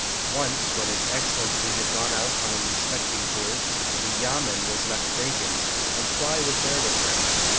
Once when His Excellency had gone out on an inspecting tour, the yamen was left vacant, and Kwai was there with her.